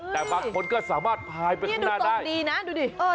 แต่บางคนก็สามารถพายไปข้างหน้าได้ดีนะดูดิ